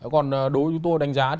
còn đối với tôi đánh giá